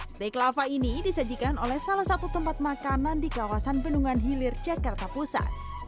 steak lava ini disajikan oleh salah satu tempat makanan di kawasan bendungan hilir jakarta pusat